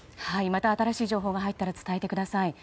また新しい情報が入ったら伝えてください。